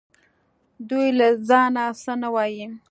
دوی له ځانه څه نه وايي